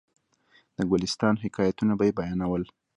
د ګلستان حکایتونه به یې بیانول.